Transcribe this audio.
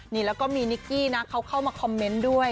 นี่แล้วก็มีนิกกี้นะเขาเข้ามาคอมเมนต์ด้วย